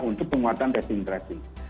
untuk penguatan testing testing